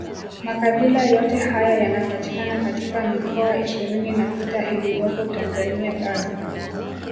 Makabila yote haya yanapatikana katika mikoa ishirini na sita iliyopo Tanzania bara